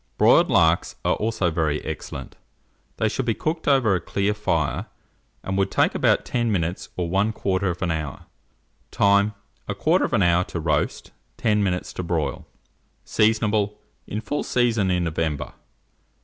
Broiled larks are also very excellent: they should be cooked over a clear fire, and would take about 10 minutes or 1/4 hour. Time. 1/4 hour to roast; 10 minutes to broil. Seasonable. In full season in November.